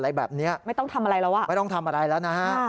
อะไรแบบนี้ไม่ต้องทำอะไรแล้วว่ะ